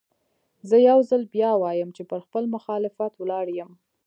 زه يو ځل بيا وايم چې پر خپل مخالفت ولاړ يم.